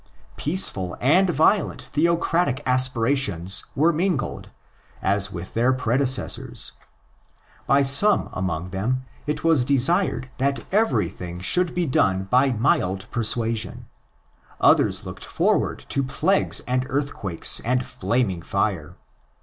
Peaceful and violent theocratic aspirations were mingled, as with their predecessors. By some among them it was desired that everything should be done by mild per suasion; others looked forward to plagues and THE DESTRUCTION OF JERUSALEM 35 earthquakes and flaming fire.